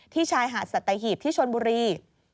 ชายหาดสัตหีบที่ชนบุรี